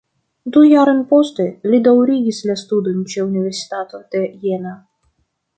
Du jarojn poste li daŭrigis la studojn ĉe Universitato de Jena.